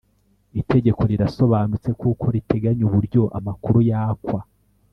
Itegeko rirasobanutse kuko riteganya uburyo amakuru yakwa